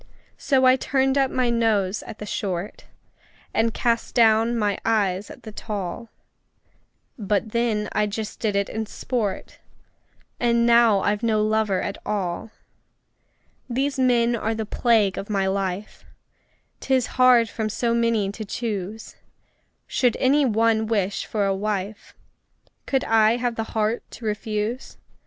So I turned up my nose at the short, And cast down my eyes at the tall; But then I just did it in sport And now I've no lover at all! These men are the plague of my life: 'Tis hard from so many to choose! Should any one wish for a wife, Could I have the heart to refuse?